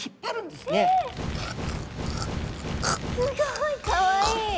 すごいかわいい！